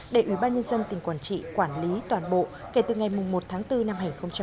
để ủy ban nhân dân tỉnh quảng trị quản lý toàn bộ kể từ ngày một tháng bốn năm hai nghìn hai mươi